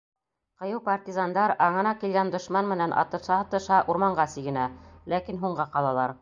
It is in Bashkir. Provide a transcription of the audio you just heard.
Ҡыйыу партизандар аңына килгән дошман менән атыша-атыша урманға сигенә, ләкин һуңға ҡалалар.